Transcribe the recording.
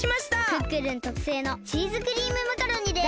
クックルンとくせいのチーズクリームマカロニです！